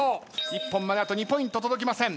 一本まであと２ポイント届きません。